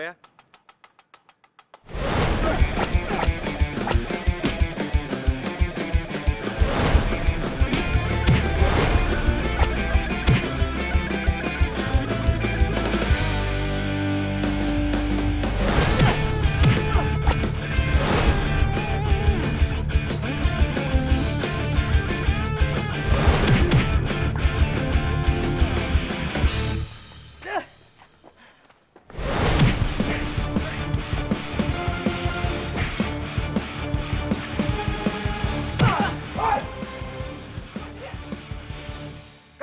kamar kejadian ini